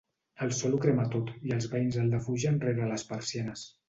El sol ho crema tot i els veïns el defugen rere les persianes.